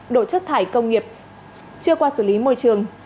đổ chất thải công nghiệp chưa qua xử lý môi trường